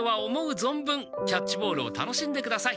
ぞんぶんキャッチボールを楽しんでください。